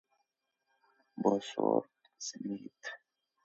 بوسورت سمیت :